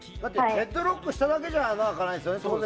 ヘッドロックしただけじゃ穴は開かないですよね。